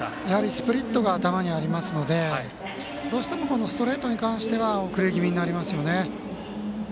スプリットが頭にありますのでどうしてもストレートに関しては遅れ気味になりますよね。